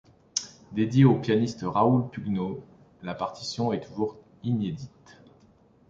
Dédiée au pianiste Raoul Pugno, la partition est toujours inédite.